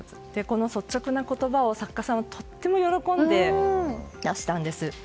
この率直なお言葉を作家さんはとても喜んでいらしたんです。